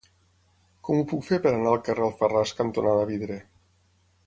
Com ho puc fer per anar al carrer Alfarràs cantonada Vidre?